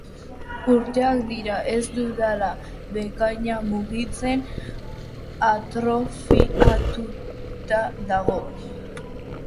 Urteak dira ez dudala bekaina mugitzen, atrofiatuta dago.